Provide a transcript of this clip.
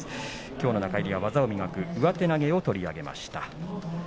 きょうの中入りは「技を磨く」上手投げを取り上げました。